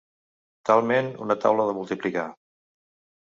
Talment una taula de multiplicar.